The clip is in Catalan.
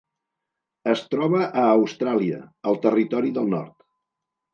Es troba a Austràlia: el Territori del Nord.